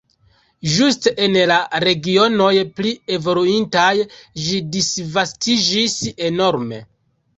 Ĝuste en la regionoj pli evoluintaj ĝi disvastiĝis enorme.